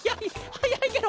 はやいケロ！